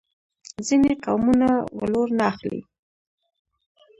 ځینې قومونه ولور نه اخلي.